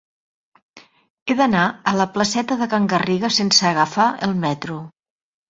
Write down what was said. He d'anar a la placeta de Can Garriga sense agafar el metro.